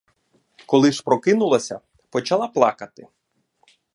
Коли ж прокинулася, — почала плакати.